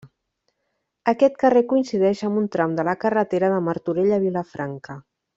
Aquest carrer coincideix amb un tram de la carretera de Martorell a Vilafranca.